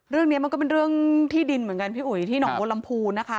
เรื่องนี้มันก็เป็นเรื่องที่ดินเหมือนกันพี่อุ๋ยที่หนองบนลำพูนนะคะ